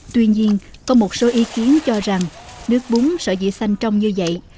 tuy nhiên có một số ý kiến cho rằng nước bún sợi dĩa xanh trong như vậy